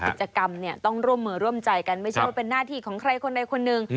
กิจกรรมเนี่ยต้องร่วมมือร่วมใจกันไม่ใช่ว่าเป็นหน้าที่ของใครคนใดคนหนึ่ง